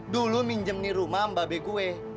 dulu minjem nih rumah mba be gue